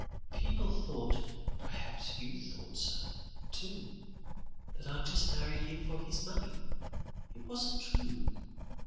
People thought, perhaps you thought so, too, that I just married him for his money. It wasn't true.